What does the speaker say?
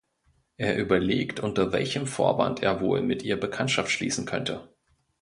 Er überlegt, unter welchem Vorwand er wohl mit ihr Bekanntschaft schließen könnte.